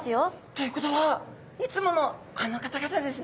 ということはいつものあの方々ですね。